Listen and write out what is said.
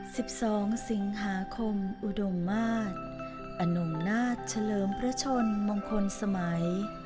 สิบสองสิงหาคมอุดมมาตรอนงนาฏเฉลิมพระชนมงคลสมัย